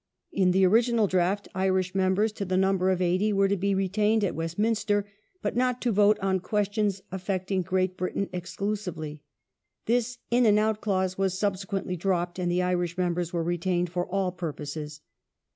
In the original draft Irish members, to the number of eighty, were to be retained at Westminster, but not to vote on questions affect ing Great Britain exclusively. This " in and out " clause was sub sequently dropped, and the Irish members were retained for all purposes.